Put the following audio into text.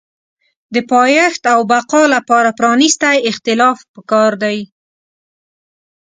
د پایښت او بقا لپاره پرانیستی اختلاف پکار دی.